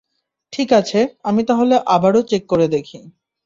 ঠিক আছে, আমি তাহলে আবারও চেক করে দেখি!